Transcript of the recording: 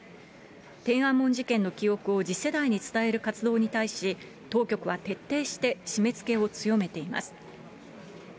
天安門事件の記憶を次世代に伝える活動に対し、当局は徹底して、締めつけを強めています。